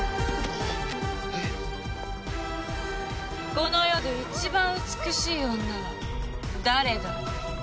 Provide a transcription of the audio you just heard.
この世で一番美しい女は誰だ？